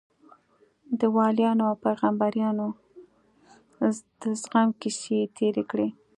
د وليانو او پيغمبرانو د زغم کيسې يې تېرې کړې.